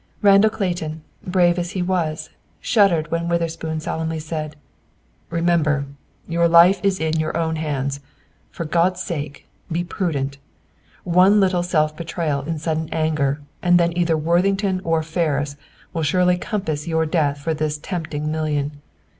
Randall Clayton, brave as he was, shuddered when Witherspoon solemnly said: "Remember! Your life is in your own hands. For God's sake, be prudent! One little self betrayal in sudden anger, and then either Worthington or Ferris would surely compass your death for this tempting million.